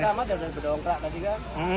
ya sama sama dari dongkrak tadi kan